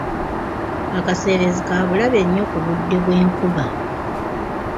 Akaseerezi ka bulabe nnyo ku budde bw'enkuba.